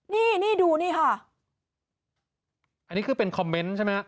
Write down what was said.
นี่นี่ดูนี่ค่ะอันนี้คือเป็นคอมเมนต์ใช่ไหมฮะ